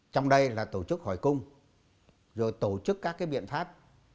trong đây là tổ chức hỏi cung rồi tổ chức các biện pháp